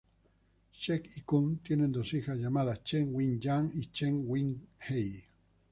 Cheng y Koon tienen dos hijas llamadas, Cheng Wing Yan Cheng y Wing-hei.